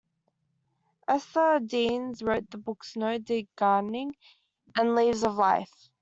Esther Deans wrote the books "No-Dig Gardening" and "Leaves of Life".